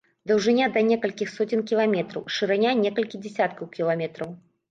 Даўжыня да некалькіх соцень кіламетраў, шырыня некалькі дзясяткаў кіламетраў.